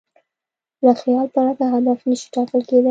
له خیال پرته هدف نهشي ټاکل کېدی.